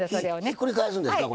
ひっくり返すんですか？